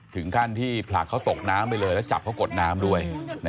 ถึงขั้นที่ผลักเขาตกน้ำไปเลยแล้วจับเขากดน้ำด้วย